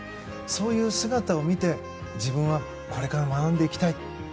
そういう姿を見て、自分はこれから学んでいきたい。